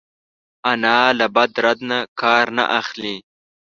انا له بد رد نه کار نه اخلي